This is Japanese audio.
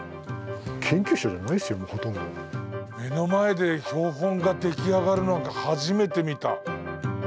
目の前で標本が出来上がるの初めて見た。